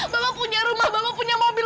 bapak punya rumah bapak punya mobil